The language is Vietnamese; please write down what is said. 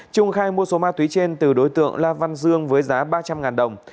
trung khai mua số ma túy trên từ đối tượng la văn dương với giá ba trăm linh đồng